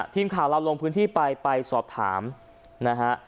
ทีมข่าวเราลงพื้นที่ไปไปสอบถามนะฮะ